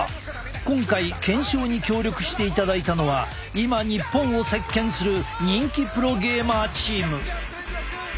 今回検証に協力していただいたのは今日本を席けんする人気プロゲーマーチーム。